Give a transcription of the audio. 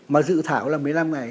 mà dự thảo là một mươi năm ngày